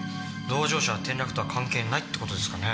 同乗者は転落とは関係ないって事ですかね？